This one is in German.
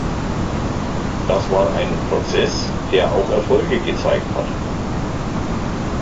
Das war ein Prozess, der auch Erfolge gezeigt hat.